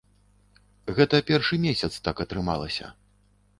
Гэта першы месяц так атрымалася.